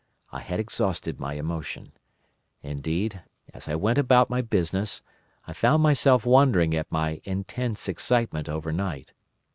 I had exhausted my emotion. Indeed, as I went about my business, I found myself wondering at my intense excitement overnight.